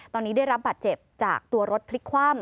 ตอนนี้ได้รับบาดเจ็บจากตัวรถพลิกคว่ำ